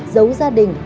giấu gia đình